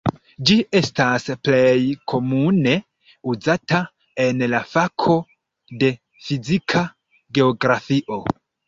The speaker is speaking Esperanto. Ĝi estas plej komune uzata en la fako de fizika geografio.